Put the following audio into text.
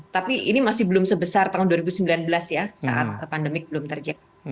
tapi ini masih belum sebesar tahun dua ribu sembilan belas ya saat pandemik belum terjadi